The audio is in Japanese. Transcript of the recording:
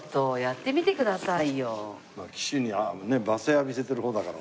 騎手に罵声浴びせてる方だから。